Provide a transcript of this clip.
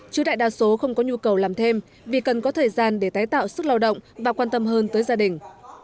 chứ đại đa số không có nhu cầu làm thêm vì cần có thời gian để tái tạo sức lao động và quan tâm hơn tới gia đình